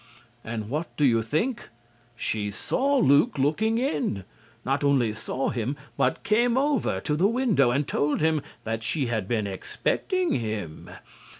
And what do you think? She saw Luke looking in. Not only saw him but came over to the window and told him that she had been expecting him.